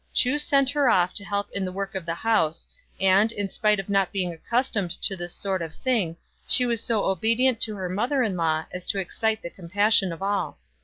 Chu sent her off to help in the work of the house, and, in spite of not being accus tomed to this sort of thing, she was so obedient to her mother in law as to excite the compassion of all.